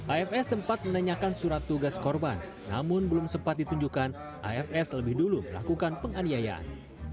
afs sempat menanyakan surat tugas korban namun belum sempat ditunjukkan afs lebih dulu melakukan penganiayaan